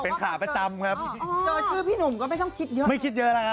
ว่ามันยังไงนะ